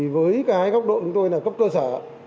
với cái góc độ chúng tôi là cấp cơ sở